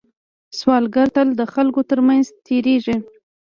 سوالګر تل د خلکو تر منځ تېرېږي